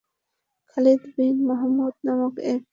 Khalid bin Abdullah নামক এক অশ্বারোহী পরিখা পার হতে পারে না।